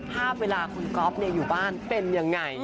ภาพเวลาคุณก๊อฟอยู่บ้านเป็นยังไง